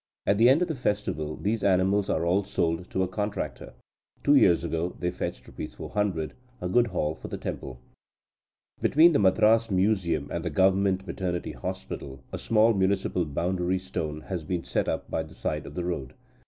At the end of the festival, these animals are all sold to a contractor. Two years ago, they fetched Rs. 400 a good haul for the temple." Between the Madras museum and the Government maternity hospital, a small municipal boundary stone has been set up by the side of the road.